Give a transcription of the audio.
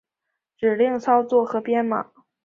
指令操作和编码